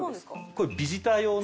これビジター用の。